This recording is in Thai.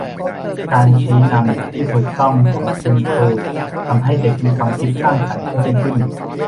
การชี้นำที่ถูกต้องของคุณครูทำให้เด็กมีความคิดสร้างสรรค์เพิ่มขึ้น